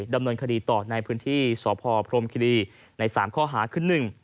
ดำเนินคดีต่อในพื้นที่สพพรมคิรีใน๓ข้อหาคือ๑